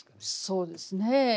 そうですね